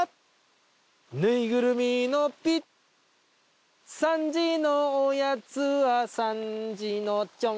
「ぬいぐるみのピ」「３時のおやつは３時のちょん」